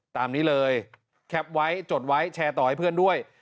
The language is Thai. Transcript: ตามนี้เลยแคปไว้จดไว้แชร์ต่อให้เพื่อนด้วย